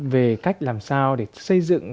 về cách làm sao để xây dựng